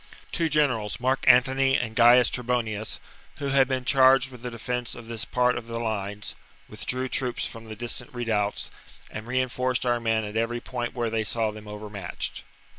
Two generals, Mark Antony and Gains Trebonius, who had been charged with the defence of this part of the lines, withdrew troops from the distant redoubts, and reinforced our men at every point where they saw them overmatched.